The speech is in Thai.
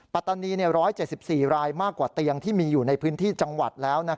ปัตตานี๑๗๔รายมากกว่าเตียงที่มีอยู่ในพื้นที่จังหวัดแล้ว